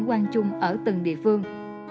cảnh quan chung ở từng địa phương